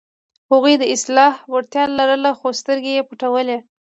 هغوی د اصلاح وړتیا لرله، خو سترګې یې پټولې.